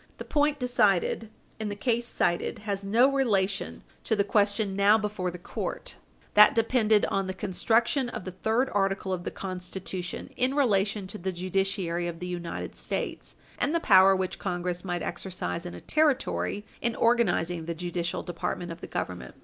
The point decided in the case cited has no relation to the question now before the court. That depended on the construction of the third article of the Constitution, in relation to the judiciary of the United States, and the power which Congress might exercise in a Territory in organizing the judicial department of the Government.